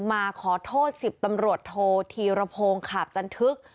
มาขอโทษ๑๐ตำรวจโทธีรพงศ์ขาบจันทึก